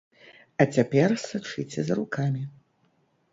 А цяпер сачыце за рукамі.